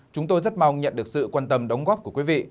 chúng tôi rất mong nhận được sự quan tâm đóng góp của quý vị